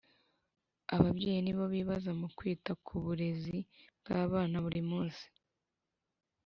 Ababyeyi nibo bibaze mukwita kuburezi bwabana burimunsi